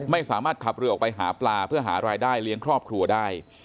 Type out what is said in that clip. ไม่สามารถขับเรือออกไปหาปลาเพื่อหารายได้เลี้ยงครอบครัวได้